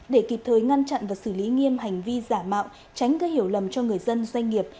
để kịp thời ngăn chặn và xử lý nghiêm hành vi giả mạo tránh gây hiểu lầm cho người dân doanh nghiệp